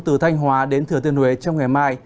từ thanh hóa đến thừa tiên huế trong ngày mai